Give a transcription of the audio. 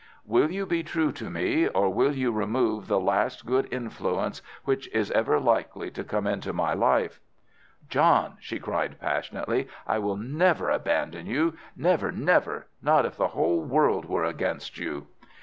"'Will you be true to me, or will you remove the last good influence which is ever likely to come into my life?' "'John,' she cried, passionately, 'I will never abandon you! Never, never, not if the whole world were against you.